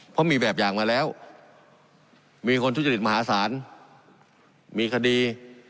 เพราะมีแบบอย่างมาแล้วมีคนทุจริตมหาศาลมีคดี